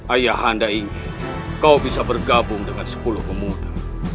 ayah anda ingin kau bisa bergabung dengan sepuluh pemuda